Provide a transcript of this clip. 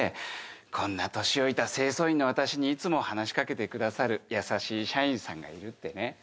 こんな年老いた清掃員の私にいつも話しかけてくださる優しい社員さんがいるってね。